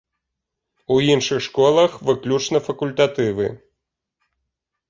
У іншых школах выключна факультатывы.